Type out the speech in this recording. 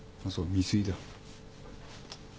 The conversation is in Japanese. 未遂だ。